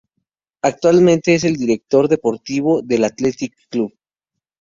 Actualmente es el director deportivo del Athletic Club.